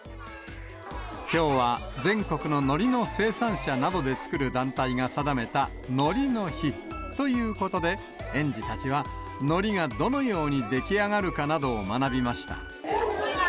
きょうは全国ののりの生産者などで作る団体が定めた海苔の日ということで、園児たちはのりがどのように出来上がるかなどを学びました。